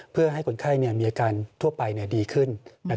เพื่อให้คนไข้มีอาการทั่วไปดีขึ้น